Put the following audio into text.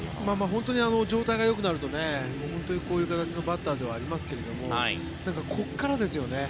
本当に状態がよくなるとこういう形のバッターではありますけどここからですよね。